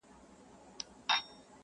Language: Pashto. o په پردي پرتاگه کونه نه پټېږي٫